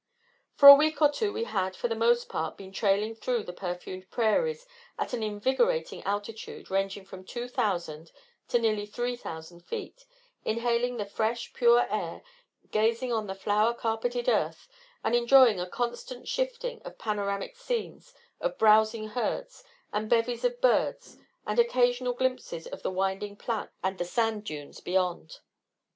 For a week or two we had, for the most part, been trailing through the perfumed prairies at an invigorating altitude ranging from two thousand to nearly three thousand feet, inhaling the fresh, pure air, gazing on the flower carpeted earth, and enjoying a constant shifting of panoramic scenes of browsing herds, and bevies of birds, and occasional glimpses of the winding Platte and the sand dunes beyond.